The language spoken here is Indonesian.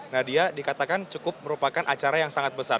nadia dikatakan cukup merupakan acara yang sangat besar